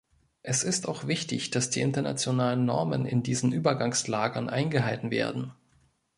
Es ist auch wichtig, dass die internationalen Normen in diesen Übergangslagern eingehalten werden.